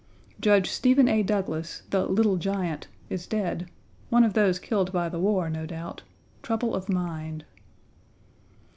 Judge Stephen A. Douglas, the "little giant," is dead; one of those killed by the war, no doubt; trouble of mind.